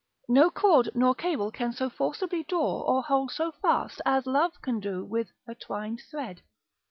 No cord nor cable can so forcibly draw, or hold so fast, as love can do with, a twined thread.